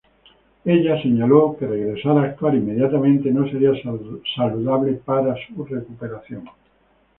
Ella señaló que regresar a actuar inmediatamente no sería saludable para su recuperación.